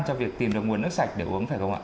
cho việc tìm được nguồn nước sạch để uống phải không ạ